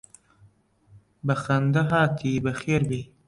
بە خەندە هاتی بەخێر بێی